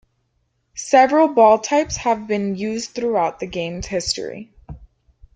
Several ball types have been used throughout the game's history.